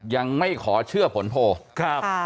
ยังไม่ขอเชื่อผลโภค